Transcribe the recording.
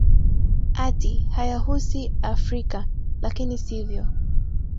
ati hayahusi afrika lakini sivyo